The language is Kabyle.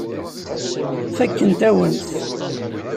Fakkent-awen-t.